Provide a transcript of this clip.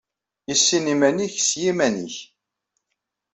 Issin iman-ik s yiman-ik.